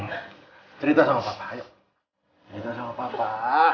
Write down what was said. jangan lupa sama dia